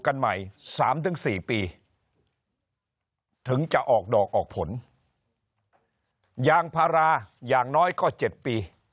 กันใหม่๓๔ปีถึงจะออกดอกออกผลยางพาราอย่างน้อยก็๗ปี